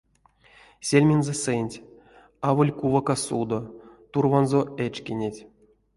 Сельмензэ сэнть, аволь кувака судо, турванзо эчкинеть.